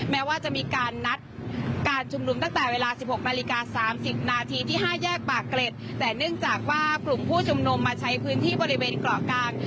แม้ว่าจะมีการนัดการชุมนุมตั้งแต่เวลาสิบหกนาฬิกาสามสิบนาทีที่ห้าแยกปากเกร็ดแต่เนื่องจากว่ากลุ่มผู้ชุมนุมมาใช้พื้นที่บริเวณเกาะกลาง